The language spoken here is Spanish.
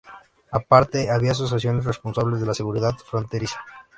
Aparte, había asociaciones responsables de la seguridad fronteriza.